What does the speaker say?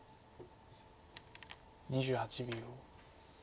２８秒。